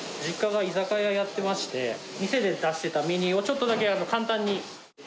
実家が居酒屋やってまして、店で出してたメニューをちょっとだけ簡単に。